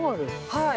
◆はい。